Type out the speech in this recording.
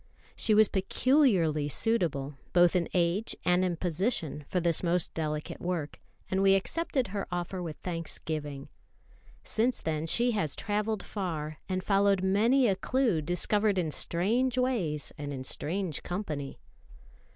She was peculiarly suitable, both in age and in position, for this most delicate work; and we accepted her offer with thanksgiving. Since then she has travelled far, and followed many a clue discovered in strange ways and in strange company.